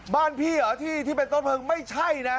บ้านพี่เหรอที่เป็นต้นเพลิงไม่ใช่นะ